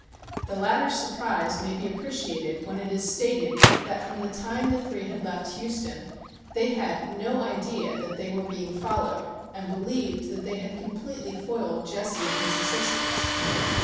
The latter's surprise may be appreciated when it is stated that from the time the three had left Houston, they had no idea that they were being followed and believed that they had completely foiled Jesse and his assistants.